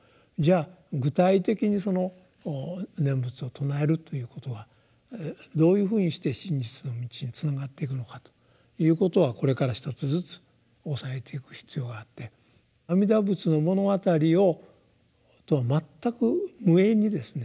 あ具体的に「念仏を称える」ということはどういうふうにして真実の道につながっていくのかということはこれから一つずつ押さえていく必要があって「阿弥陀仏の物語」をとは全く無縁にですね